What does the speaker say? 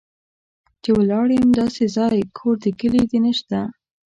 چې ولاړ یم داسې ځای، کور د کلي نه شته